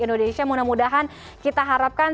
indonesia mudah mudahan kita harapkan